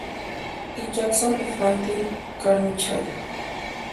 Y. Jackson y Franklin Carmichael.